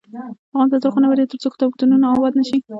افغانستان تر هغو نه ابادیږي، ترڅو کتابتونونه اباد نشي.